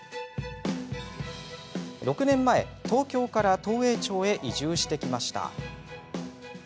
６年前、東京から東栄町へ移住してきました。